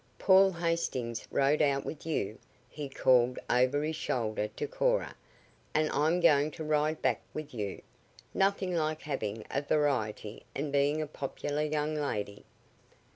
"Paul Hastings rode out with you," he called over his shoulder to Cora, "and I'm going to ride back with you. Nothing like having a variety and being a popular young lady."